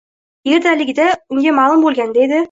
— Yerdaligida unga ma’lum bo‘lganida edi